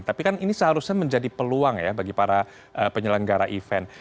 tapi kan ini seharusnya menjadi peluang ya bagi para penyelenggara event